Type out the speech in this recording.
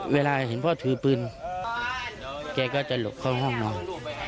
เวลาเห็นพ่อถือปืนแกก็จะหลบเข้าห้องนอน